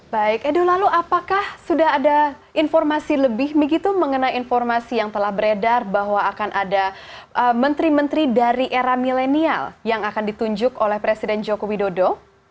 baik edo lalu apakah sudah ada informasi lebih begitu mengenai informasi yang telah beredar bahwa akan ada menteri menteri dari era milenial yang akan ditunjuk oleh presiden joko widodo